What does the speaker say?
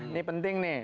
ini penting nih